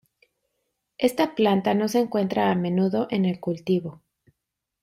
Esta planta no se encuentra a menudo en el cultivo.